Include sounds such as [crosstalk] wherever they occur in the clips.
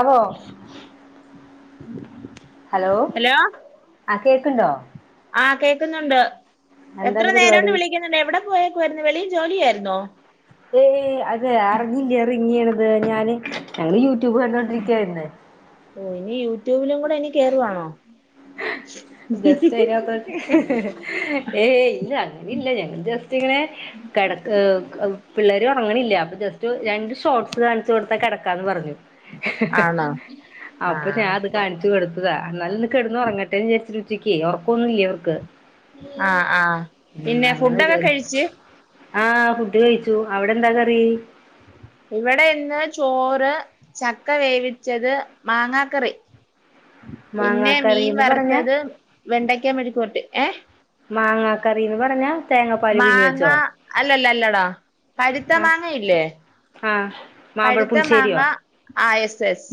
അവോ hello ആ കേൾക്കുണ്ടോ ആഹ് കേക്കുന്നുണ്ട് എത്ര എന്താണ് നേരണ്ട് പരിപാടി വിളിക്ക - ണ്ട് എവിടെ പോയേക്കായിയിരുന്നു വെളിയില് ജോലി ആയിരുന്നോ ഏയ് അതെ അറിഞ്ഞില്ല റിങ് ചെയ്യണത് ഞാന് ഞങ്ങള് യൂട്യൂബ് കണ്ടോണ്ടിരിക്കായിന്ന് ഓ ഇനി യൂട്യൂബിലും കൂടെ ഇനി കയറുവാണോ ജസ്റ്റ് അയിതിനകത്ത് ഏ ഇല്ല അങ്ങനെ ഇല്ല ഞങ്ങ ജസ്റ്റ് ഇങ്ങനെ കിട പിള്ളേര് ഉറങ്ങണില്ല അപ്പൊ ജസ്റ്റ് രണ്ട് ഷോർട്സ് കാണിച്ചു കൊടുത്താൽ കിടക്കാന്ന് പറഞ്ഞു ആണോ അപ്പൊ ഞാൻ ആഹ് അത് കാണിച്ചു കൊടുത്തതാ എന്നാല് ഒന്ന് കെടന്ന് ഉറങ്ങട്ടെന്ന്‌ വിചാരിച്ച് ഉച്ചക്കെ ഉറക്കൊന്നുമില്ല അവർക്ക് ആഹ് ആ ഹ്പിന്നെ അങ്ങനെ ഫുഡൊക്കെ കഴിച്ച് വിചാരിച്ചു ആഹ് ഫുഡ് കഴിച്ചു അവിടെ എന്താ കറി ഇവിടെ ഇന്ന് ചോറ് ചക്ക വേവിച്ചത് മാങ്ങാക്കറി പിന്നെ മീൻ മാങ്ങാക്കറീന്ന് പറഞ്ഞാ വറുത്തത് വെണ്ടയ്ക്ക മെഴുക്കു വരട്ടി ഏ മാങ്ങാ കറിന്ന് പറഞ്ഞാ തേങ്ങാപ്പാല് പിഞ്ഞി മാങ്ങ വെച്ചോ അല്ലല്ല അല്ലടാ പഴുത്ത ആഹ് മാങ്ങയില്ലേ ആഹ് മാമ്പഴ പഴുത്ത മാങ്ങ പുളിശ്ശേരിയോ ആഹ് എസ് എസ്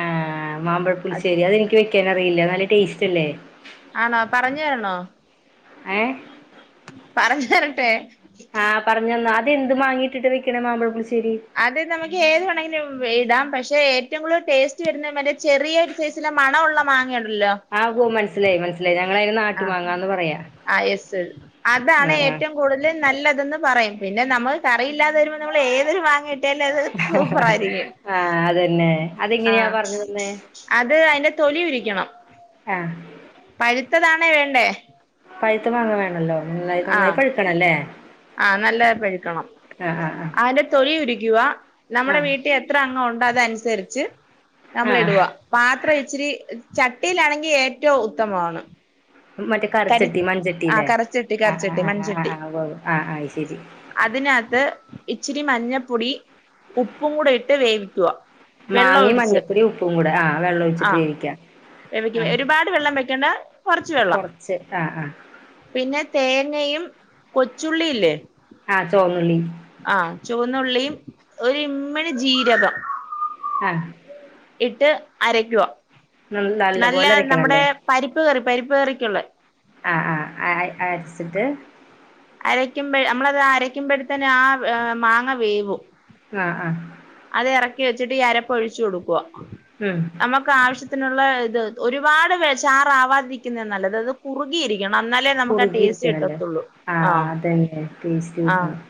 ആഹ് മാമ്പഴപ്പുളിശ്ശേരി അതെനിക്ക് വെക്കാൻറിയില്ല നല്ല ടേസ്റ്റ് അല്ലേ ആണോ പറഞ്ഞു തരണോ ഏഹ് പറഞ്ഞു തരട്ടെ ആഹ് പറഞ്ഞ തന്നോ അത് എ ന്ത് മാങ്ങിയിട്ടിട്ട് വെക്കണേ മാമ്പഴപ്പുളിശ്ശേരി അത് നമുക്ക് ഏത് വേണമെങ്കിലും ഇടാം പക്ഷെ ഏറ്റവും കൂടുതൽ ടേസ്റ്റ് വരുന്ന മറ്റേ ചെറിയ സൈസിലെ മണ ഉള്ള വാങ്ങിയണ്ടല്ലോ ആഹുവ മനസ്സിലായി മനസ്സിലായി ഞങ്ങളായന് നാട്ടു വങ്ങന്ന് പറയാ ആ യെസ് അതാണ് ആഹ് ആഹ് ഏറ്റവും കൂടുതൽ നല്ലതെന്ന് പറയും പിന്നെ നമ്മൾ കറിയില്ലാതെ വരുമ്പോൾ നമ്മൾ ഏതൊരു മാങ്ങ ഇട്ടാലും അത് സൂപ്പർ ആയിരിക്കും ആഹ് അതന്നെ അതെങ്ങനെയാ ആഹ് പറഞ്ഞു തന്നേ അത് അതിന്റെ തൊലി ഉരിക്കണം ആഹ് പഴുത്തതാണേ വേണ്ടേ പഴുത്ത് മാങ്ങ വേണല്ലോ നന്നായി നന്നായി ആഹ് പഴുക്കണല്ലേ ആഹ് നല്ലായിപഴുക്കണം ആഹ് ആഹ് അതിന്റെ തൊലി ഉരിക്കുക ആഹ് നമ്മുടെ വീട്ടിൽ ഇത്ര അങ്ങം ഉണ്ട് അതനുസരിച്ച് നമ്മൾ ആഹ് ആഹ് ഇടുവാ പാത്ര ഇച്ചിരി ചട്ടിയിലാണെങ്കിൽ ഏറ്റവും ഉത്തമമാണ് മറ്റേ കരി കറിച്ചട്ടി ആ മൺചട്ടില്ലേ കറച്ചട്ടി ആഹ് കറച്ചട്ടി ആഹ് മൺചട്ടി ആഹ് ആഹ് ഔ അയ് ശരി അതിനകത്ത് ഇച്ചിരി മഞ്ഞപ്പൊടി ഉപ്പും കൂടെ ഇട്ട് വേവിക്കുക വെള്ളം മാങ്ങി ഒഴിച്ച് മഞ്ഞപ്പൊടി ഉപ്പും കൂടെ ആ വെള്ളം ആ ഒഴിച്ചിട്ട് കേവിക്കുക വേവിക്ക ഒരുപാട് വെള്ളം വെക്കേണ്ട കുറച്ച് വെള്ളം ച്ച് ആഹ് ആഹ് പിന്നെ തേങ്ങയും കൊച്ചുള്ളില്ലേ ആഹ് ചോന്നുള്ളി ആ ചുവന്നുള്ളിയും ഒര്മ്മ്ണി ജീരകം ആഹ് ഇട്ട് അരക്കുക നല്ല പോലെ നമ്മുടെ അരക്കണല്ലേ പരിപ്പ് കറി പരിപ്പ് കറിക്കുള്ള ആ ആ ആ അര് അര്ച്ചിട്ട് അരയ്ക്കുമ്പഴ് നമ്മളത് അരക്കുമ്പോഴത്തന്നെ ആ മാങ്ങ വേവും ആഹ് ആഹ് അത് എറക്കി വെച്ചിട്ട് ഈ അരപ്പൊഴിച്ചു കൊടുക്കുവ ഉം നമുക്കാവശ്യത്തിനുള്ള ഇത് ഒരുപാട് വെ ചാറാവാതിരിക്ക്യന്ന നല്ലത് ഇത് കുറുകിയിരി ക്ക്യണം എന്നാലേ നമുക്ക് ആ ടേസ്റ്റ് കുറുകിയിരിക്കണല്ലേ കിട്ടത്തുള്ളൂ ആ അതന്നെ പേസ്റ്റ് ആ കിട്ടണം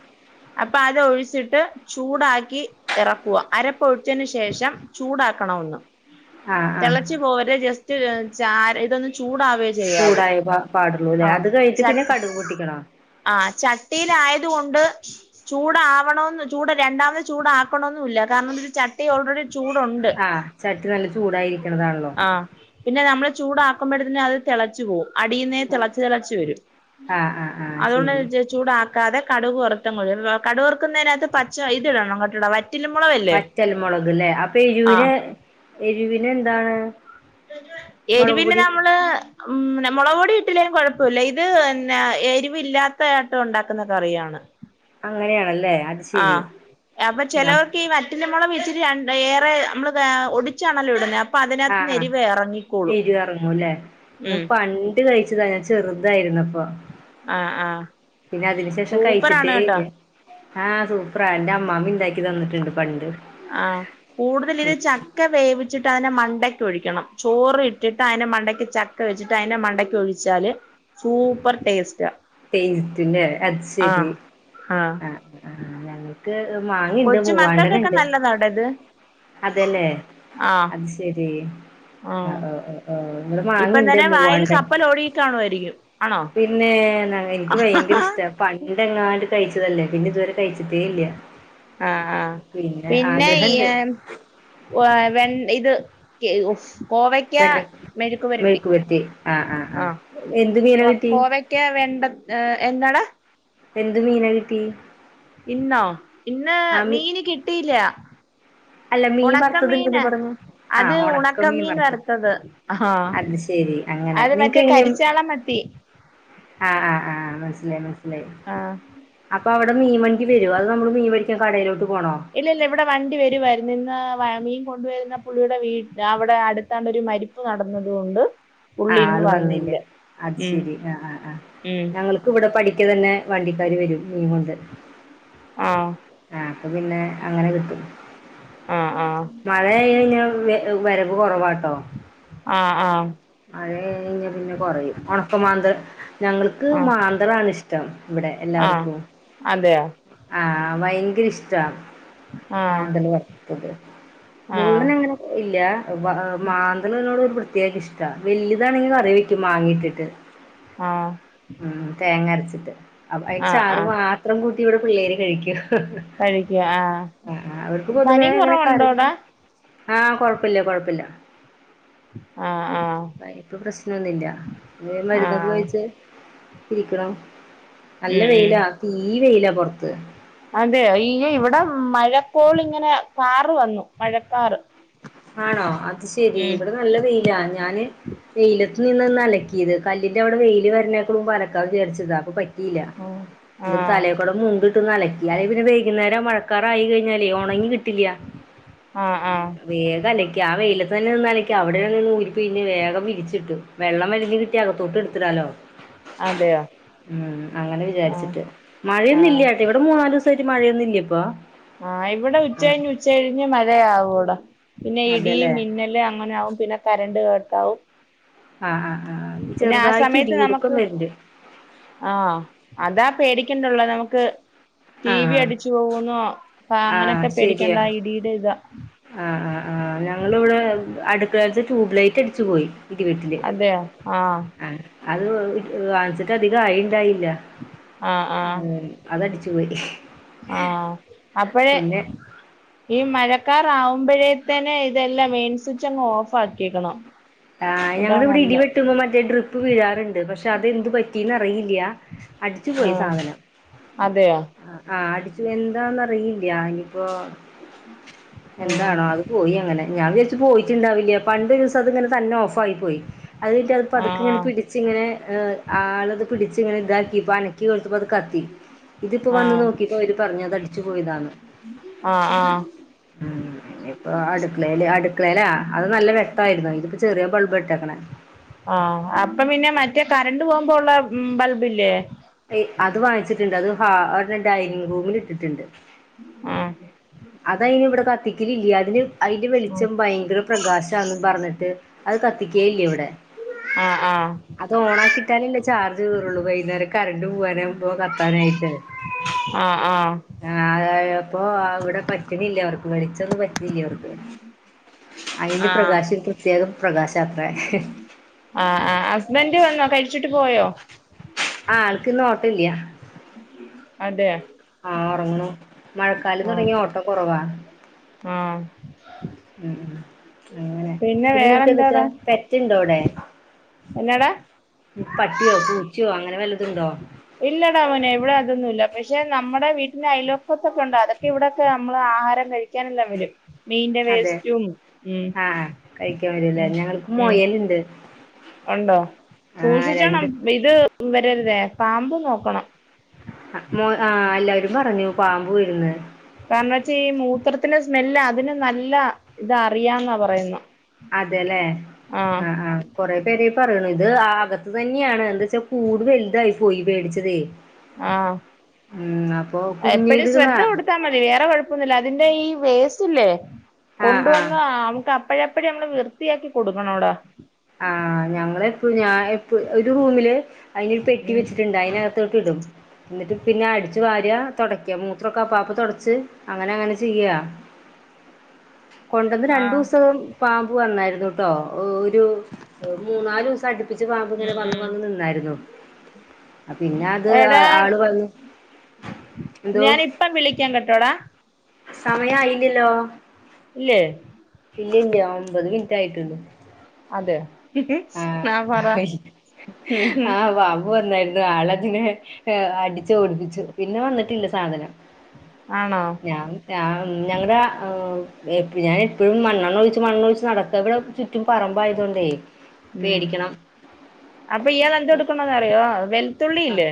അപ്പൊ അത് ഒഴിച്ചിട്ട് ചൂടാക്കി എറക്കുക അരപ്പൊഴിച്ചതിന് ശേഷം ചൂടാക്കണം ഒന്ന് ആ ആ തെളച്ചു പോവര് ജസ്റ്റ് റ്റ് ചാറ് ഇതൊന്ന് ചൂടാവേ ചെയ്യാവൂ ചൂടായേ പാ പാടുള്ളൂലേ അത് കഴിഞ്ട്ട് പിന്നെ കടുക് പൊട്ടിക്കണോ ആ ചട്ടിയിലായത് കൊണ്ട് ചൂടാവണംന്ന് ചൂട് രണ്ടാമത് ചൂടാ ക്കണന്നുല്ല കാരണം ത്ന് ചട്ടി ഓൾറെഡി ചൂടുണ്ട് ആ ചട്ടി നല്ല ചൂടായിരിക്കണതാണല്ലോ ആഹ് പിന്നെ നമ്മള് ചൂടാക്കുമ്പോഴത്തെന് അത് തിളച്ചു പോവും അടിയിന്നേ തിളച്ചു തിളച്ചു വരും ആ ആ ആ അതുകൊണ്ട് ശരി ജെ ചൂടാക്കാതെ കടുക് വരുത്തങ്ങു ഒഴി കടുക് വറുക്കുന്നതിനകത്ത് പച്ച ഇത് ഇടണം വറ്റ വറ്റൽ മുളക് വറ്റൽമുളക് ലേ അപ്പ എരിവിന് എരിവിന് എന്താണ് മുളക് എരിവിന് പൊടി നമ്മള് ഉം മുളക്പൊടി ഇട്ടില്ലേലും കുഴപ്പമല്ല ഇത് പിന്നെ എരിവില്ലാത്തായിട്ടും ഉണ്ടാക്കുന്ന കറിയാണ് [unintelligible] അങ്ങനെയാണല്ലേ അത് ശരി ആഹ് അപ്പൊ ഞാൻ ചിലവർക്ക് ഈ വറ്റൽ മൊളവ് ഇച്ചിരി രണ്ട് ഏറെ നമ്മള് ഒടിച്ചാണല്ലോ ഇവിടുന്നത് അപ്പോം ആ ആ എരു എർങ്ങുല്ലേ ഞാൻ ഉം പണ്ട് പണ്ട് കഴിച്ചത ഞാൻ ചെറുതായിരുന്നപ്പൊ ആഹ് ആഹ് പിന്നെ അതിന് ശേഷം സൂപ്പറാണ് കഴിച്ചിട്ടേ കേട്ടോ ഇല്ല ആ സൂപ്പറാ എന്റെ അമ്മാമ്മീം ണ്ടാക്കി തന്നിട്ടുണ്ട് പണ്ട് ആഹ് കൂടുതൽ ഇത് ചക്ക വേവിച്ചിട്ട് അതിന്റെ മണ്ടയ്ക്ക് ഒഴിക്കണം ചോറിട്ടിട്ട് അതിന്റെ മണ്ടക്ക് ചക്ക ചക്ക വെച്ചിട്ട് അയ്ന്റെ മണ്ടക്ക് ഒഴിച്ചാല് സൂപ്പർ ടേസ്റ്റ ടേസ്റ്റ് ല്ലേ അത് ശരി ആഹ് ആ ക്ക് മാങ്ങിണ്ട് കൊച്ചു മക്കൾക്കൊക്കെ മൂവാണ്ടന്ണ്ട് നല്ലതാട്ടോ ഇത് അതേ ല്ലേ ആഹ് അത് ശരി ആഹ് [unintelligible] ഇവടെ മാങ്ങിണ്ട് മൂവാണ്ടൻ കാണുവായിരിക്കും പിന്നെ ന എൻക്ക് ഭയങ്കര ഇഷ്ട പണ്ട് എങ്ങാണ്ട് കഴിച്ചതല്ലേ പിന്നെ ഇതുവരെ കഴി ആ ആ പിന്നെ [unintelligible] വെൻ ഇത് ക് കോവക് യ്ക്ക വെണ്ട മെഴുക്ക്പരട്ടി മെഴുക്ക് പുരട്ടി ആഹ് ആഹ് ആ ആഹ് എന്ത് മീനാ കിട്ടി കോവയ്ക്ക വെണ്ടക് ഏ എന്താട എന്ത് മീന കിട് ഇന്നാവൂം ഇന്ന് ആ മീ മീന് കിട്ടിയില്ല. അല്ല മീൻ ഉണക്ക വറ്ത്തതുണ്ട്ന്നു മീന് പറ്ഞ്ഞു അത് ആഹ് ഉണക്ക മീൻ ഉണക്കമീൻ വറ്ത്തത് വറുത്തത് ആഹാ അത് ശരി. അങ്ങനെ അത് നിനക്ക് മറ്റേ എങ്ങനെ കരിച്ചാള മത്തി ആഹ് ആഹ് ആഹ് മന്സ്സിലായി മന്സ്സിലായി. ആഹ് അപ്പോ അവ്ടെ മീൻ മണ്ടി വര്വാ അതോ നമ്മള് മീൻ വേട്ക്കൻ കടയിലോട്ട് പോണോ? ഇല്ല ഇല്ല ഇവിടെ വണ്ടി വരുവായിര്ന്നു ഇന്ന് മീൻ കൊണ്ടുവരുന്ന പുള്ളിയുടെ വീട് അവ്ടെ അടുത്താണ്ടൊരു മരിപ്പ്‌ നടന്നത് കൊണ്ട്. പുള്ളി ആഹ് ഇന്ന് ആള് വന്നില്ല അത് ഉം ശരി ആഹ് ആഹ് ആഹ് ഉം ഞങ്ങള് ക്ക്‌ ഇവിടെ പഠിക്ക തന്നെ വണ്ടിക്കാര് വരും മീൻ കൊണ്ട്. ആഹ് ആഹ് ആപ്പ പിന്നെ അങ്ങനെ കിട്ടും. ആഹ് ആഹ്. മഴയായ് കയ്ഞ്ഞ വ വരവ് കൊറവാട്ടോ. ആഹ് ആഹ്. മഴയായ് കയ്ഞ പിന്നെ കൊറയും ഒണ്ക്ക മാന്തൾ. ഞങ്ങൾക്ക് ആഹ് ആഹ് മാന്തളാണ് ഇഷ്ടം ഇവിടെ ആഹ് ആഹ് എല്ലാർക്കും. അതെയോ. ആഹ് ഭയങ്കര ഇഷ്ടാ ആഹ് മാന്തള് വർത്തത്. ആഹ് മുള്ളന് അങ്ങനെ ഇല്ല വ മാന്തള്നോട് ഒരു പ്രത്യേക ഇഷ് ട വെൽതാണെങ്കി കറി വെക്കും മാങ്ങേ ഇട്ടിട്ട്. ആഹ്. ഉം തേങ്ങ അര്ച്ചിട്ട് അപ്പ അയ് ആഹ് ചാറ് ആഹ് മാത്രം കൂട്ടി ഇവിടെ പിള്ളേര് കഴിക്കും. കഴിക്ക ആഹ് ആഹ് ഓൽക്ക് പൊതുവേ പനി അങ്ങനെ [unintelligible] കുറവുണ്ടോടാ ആഹ് കൊഴപ്പല്ല കൊഴപ്പല്ല. ആഹ് ആഹ്. അഹ് ഇപ്പം പ്രശ്നംന്നുല്ല വേം മര്ന്നൊക്കെ ആഹ് കഴിച്ച് ഇരിക്കണം. നല്ല ഉം ഉം വെയിലാ തീ വെയിലാ പൊറ്ത്ത്. അതെ ഈ ഇവിടെ മഴക്കോളിങ്ങനെ കാറ് വന്നു മഴക്കാറ്. ആണോ അത് ശെരി ഉം ഇവിടെ നല്ല വെയിലാ ഞാന്. വെയിലത്ത്ന്ന് നിന്ന്ന്നാ അലക്കിയത് കല്ലിന്റെ അവിടെ വെയില് വര്ണേക്ക്‌ മുമ്പ് അലക്കാന്ന് വിചാരിച്ചതാ അപ്പോ ഇല ഇന്നിട്ട് ആഹ് തലേക്കൂടെ മുണ്ട് ട്ട് അലക്കി അല്ലേ പിന്നെ വൈകുന്നേരം മഴക്കാറ് ആയി കഴിഞ്ഞാലേ ഒണ്ങ്ങി കിട്ടില്യാ. ആഹ് ആഹ്. വേഗം അലക്കി ആഹ് വെയിലത്ത്‌ നിന്ന്ന്നെ അലക്കി അവിടെ നിന്ന് ഊരി പീഞ്ഞ് വേഗം വിരിച്ചിട്ടു. വെള്ളം വലിഞ് കിട്ടിയാ അകത്തോട്ട് ഇട്ത്തിടാലോ. അതെയോ ഉം അങ്ങനെ ആഹ് വിചാരിച്ചിട്ട് ആഹ് മഴയൊന്നുല്ല. ഇവിടെ മൂന്നാല് ദിവസായിട്ട് മഴയൊന്നും ഇല്ലിപ്പൊ. ആഹ് ഇവിടെ ഉച്ച കഴിഞ് ഉച്ച കഴിഞ്ഞ് മഴയാവൂടാ. പിന്നെ അതെല്ലേ ഇടീം മിന്നല് അങ്ങനെ ആകും പിന്നെ കരന്റ് കട്ടാവും. ആഹ് ആഹ് ആഹ് പിന്നെ ആ ചെറ്തായിട്ട് സമയത്ത് ഇടിമുഴക്കം നമുക്ക് വര്ണ്ട്. ആഹ് അതാ പേടിക്കണ്ടുള്ള നമുക്ക്. ടി ആ വി അടിച്ചു പോകുന്നോ പ അങ്ങനൊക്കെ പേടിക്കണ്ട ആഹ് ഇടീടെ ഇതാ. ആഹ് ആഹ് ആഹ് ഞങ്ങള് ഇവിടെ അടുക്കളേതെ ട്യൂബ് ലൈറ്റ് അടിച്ചു പോയി. ഇടി വെട്ടില് ആഹ് അത് വാങ്ങിച്ചിട്ട് അധിക ആയിണ്ടായില്ല. ആഹ് ആഹ് ഉം അത അടിച്ചു പോയി. ആഹ് അപ്പഴേ. പിന്നെ ഈ മഴക്കാറ് ആവുമ്പഴേത്തന്നെ ഇതെല്ലാം മെയിൻ സ്വിച്ച് അങ്ങ് ഓഫ് ആക്ക്യേക്കണം. ആ ഞങ്ങടെ ഇവിടെ ഇടി വെട്ടുമ്പ മറ്റെ ട്രിപ്പ് വീഴാറ്ണ്ട്. പക്ഷെ അത് എന്ത്‌ പറ്റീന്ന് അറിയില്ല. അടിച്ച് പോയി ആഹ സാധനം അതെയോ ആഹ് അടിച്ചു. എന്താന്ന് അറിയില്ല ഇഞ്ഞ്പ്പോ ഉം എന്താണോ അത് പോയി അങ്ങനെ. ഞാൻ വിചാരിച്ച് പോയിട്ടുണ്ടാവില്ല. പണ്ടൊരു ദിവസം അത് ഇങ്ങനെ തന്നെ ഓഫായി പോയി അത് അത് ആ പതുക്കെ ഇങ്ങനെ പിടിച്ച് ഇങ്ങനെ ആളത് പിടിച്ച് ഇങ്ങനെ ഇതാക്കി ഇപ്പ അനക്കി നോക്ക്യേപ്പം അത് കത്തി. ഇതിപ്പൊ ആ വന്ന് നോക്ക്യേപ്പോ അവര് പറഞ്ഞത് അടിച്ചു പോയതാന്ന്. ആ ആ ഉം ഇഞ്ഞ്പ്പൊ അടുക്കളേല് അടുക്കളേലാ. അത് നല്ല വെക്തായിരുന്നു ഇത് ചെറ്യേ ബൾബാ ഇട്ടേക്‌ണെ ആഹ് അപ്പ പിന്നെ മറ്റെ കരണ്ട് പോവുമ്പ ഉള്ള ബൾബ് ഇല്ലേ. അത് വാങ്ങിച്ചിട്ട്ണ്ട് അത് ഹാ അവടെ ഡൈനിങ് റൂമില് ഇട്ടിട്ട്ണ്ട് ആഹ് അതയിന് ഇവിടെ കത്തിക്കലില്ല അതിന് അയിന്റെ വെളിച്ചം ഭയങ്കര പ്രകാശാന്നും പറ്ഞ്ഞിട്ട് അത് കത്തിക്കേ ഇല്ല ഇവടെ. ആഹ് ആഹ് അത് ഓൺ ആക്കിട്ടാലല്ലെ ചാർജ് കേറൊള്ളു. വൈന്നേരം കരണ്ട് പോവാനുമ്പ കത്താനായിട്ട്. ആഹ് ആഹ് ആ അതായപ്പോ അവിടെ പറ്റ്ണില്ല അവർക്ക് വെളിച്ചം ചൊന്നും പറ്റീല്ല അവർക്ക്. അതിന്റെ ആ പ്രകാശം പ്രത്യേകം പ്രകാശാത്രെ ആഹ് ആഹ് ഹസ്ബൻഡ് വന്നോ കഴിച്ചിട്ട് പോയോ. ആഹ് ആൾക്ക് ഇന്ന് ഓട്ടല്ല്യ. അതെ ആഹ് ഒറങ്ങ്ണു. മഴക്കാലം തുടങ്ങിയാ ഓട്ടോ കൊറവാ. ആഹ് ഉം ഉം. അങ്ങനെ പിന്നെ നിനക്ക് എന്തച്ചാ പെറ്റുണ്ടോ അവിടെ എന്നാടാ പട്ട്യാേ പൂച്യാെ അങ്ങനെ വല്ലതുണ്ടോ ഇല്ലടാമോനെ. ഇവിടെ അതൊന്നും ഇല്ല. പക്ഷെ നമ്മടെ വീട്ടിന്റെ അയലോക്കത്തൊക്കെ ഉണ്ട് അതൊക്കെ ഇവിട ഒക്കെ നമ്മള് ആഹാരം കഴിക്കും. ക്കാനെല്ലാം വരും. മീന്റെ അതെ വേസ്റ്റും ഉം ഉം ഉം ഇണ്ട്. ഉണ്ടോ. സൂക്ഷിച്ചണം ഇത് വരരുതേ പാമ്പ് നോക്കണം. അഹ് മോ ആ എല്ലാരും പറഞ്ഞു പാമ്പ് വരും ന്ന് കാര്ണം വെച്ചാ ഈ മൂത്രത്തിന്റെ സ്മെല്ല് അതിന് നല്ല ഇത അറിയാന്നാ പറയുന്നെ അതെ ലെ ആഹ് ആഹ് കൊറെ പേരെ പറിണ് ഇത് ആകത്ത് തന്ന്യാണ്. എന്തച്ചാ കൂട് വല്തായി പോയി വേടിച്ചതേ ആ ഉം അപ്പൊ എപ്പോഴും കുഞീത്കളാ ശ്രദ്ധ കൊടുത്താൽ മതി വേറെ കൊഴപ്പൊന്നുല്ല. അതിന്റെ ഈ വേസ്റ്റ്ല്ലെ ആഹ് ആഹ് കൊണ്ടുവന്ന നമക്ക് അപ്പഴപ്പഴേ നമ്മള് വൃത്തിയാക്കി കൊടുക്കണോടാ ആ ഞങ്ങളിപ്പോ ഞാൻ ഒരു റൂമില് അയിനൊരു പെട്ടി ഉം വെച്ചിട്ട്ണ്ട് അയ് ത്തോട്ട് ഇടും എന്നിട്ട് പിന്നെ അടിച് വാരിയ തൊടയ്ക്ക. മൂത്രൊക്കെ അപ്പാപ്പ് തൊടച്ച് അങ്ങനെ അങ്ങനെ ചെയ്യ. കൊണ്ടന്ന് ആ രണ്ടൂസം. പാമ്പ് വന്നായിരുന്നുട്ടോ. ഒരു മൂന്നാലൂസം അടിപ് പ്പിച്ച് പാമ്പ് ഇങ്ങനെ ഉം വന്നു ഉം വന്നു നിന്നായിരുന്നു. ആ പിന്നെ അത് ആള് വന്ന്. എന്തോ ഞാന് ഇപ്പം വിളിക്കാൻ കേട്ടോടാ. സമയായില്ലല്ലോ ഇല്ലേ ഇല്ലല്ല ഒൻമ്പത് മിനിറ്റ് ആയിട്ടുള്ളൂ അതെ ആ പറ ആഹ് ആഹ് പാമ്പ് വന്നായിരുന്നു ആളതിനെ ഏ അടിച്ചു ഓടിപ്പിച്ചു പിന്നെ വന്നിട്ടില്ല സാധനം ആണോ ഞാൻ ഞാൻ ഞങ്ങളുടെ ഞാൻ എപ്പോഴും മണ്ണെണ്ണ ഒഴിച്ച് മണണ്ണൊഴിച്ച് നടക്ക ഇവിടെ ചുറ്റും പറമ്പായതോണ്ടേ ഉം അപ്പൊ ഇയാൾ എന്ത് എടുക്കന്ന് അറിയോ വെൽ ആഹ് വെൾത്തുള്ളിയില്ലേ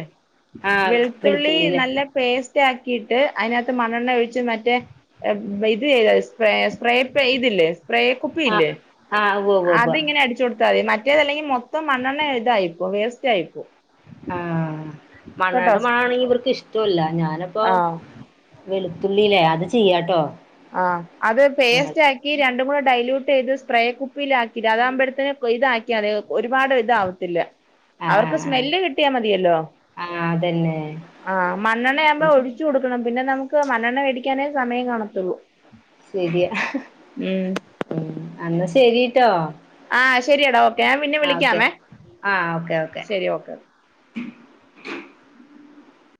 ആഹ് വെളുത്തുള്ളി വെളുത്തുള്ളില്ലേ നല്ല പേസ്റ്റ് ആക്കിയിട്ട് അതിനകത്ത് മണ്ണെണ്ണ ഒഴിച്ച് മറ്റേ ഇത് സ്പ്രേ ഇതില്ലേ സ്പ്രേ ആഹ് കുപ്പിയില്ലേ ആഹ് ഉവ്വ് ഉവ്വ് ഉവ്വ് അതിങ്ങനെ അടി താമതി മറ്റേതല്ലെങ്കി മൊത്തം മണ്ണെണ്ണ ഇതായിപ്പോവും വേസ്റ്റ് ആയി പോവും ആഹ് മണ്ണണ്ണടെ മണ ആണെങ്കി ഇവർക്ക് ഇഷ്ടല്ല ഞാനിപ്പൊ ആ വെളുത്തുള്ളി ലേ അത് ചെയ്യാട്ടോ ആഹ് അത് ആഹ് പേസ്റ്റായി ഈ രണ്ടും കൂടെ ഡൈലൂട്ട് ചെയ്ത് സ്പ്രേ കുപ്പിൽ ആക്കിയിട്ട് അതാകുമ്പോഴത്തേന് ഇതാക്കിയാ മതി ഒരുപാട് ഇതാവും ഇല്ലല്ല ആഹ് അവർക്ക് ആഹ് സ്മെല് കിട്ടിയാ മതിയല്ലോ ആഹ് അതന്നെ ആഹ് മണ്ണെണ്ണ ആവുമ്പോ ഒഴിച്ചു കൊടുക്കണം പിന്നെ നമുക്ക് മണ്ണെണ്ണ മേടിക്കാനേ സമയം കാണത്തുള്ളൂ ശരിയാ ഉം ഉ അന്നാ ശെരിട്ടോ ആഹ ശെരിയടാ ഓക്കെ ഞാൻ പിന്നെ വിളിക്കാമേ ആഹ് ഓക്കെ ഓക്കെ ശെരി ഓക്കെ [inaudible]